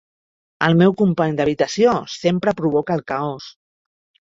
El meu company d'habitació sempre provoca el caos.